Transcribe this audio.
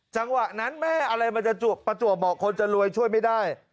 จังหวะนั้นแม่อะไรมันจะประจวบเหมาะคนจะรวยช่วยไม่ได้